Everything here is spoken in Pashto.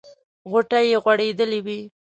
غوټۍ یې غوړېدلې وې.